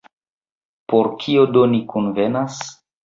Por kio do ni kunvenas?